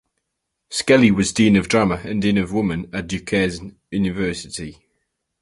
Skelly was dean of drama and dean of women at Duquesne University.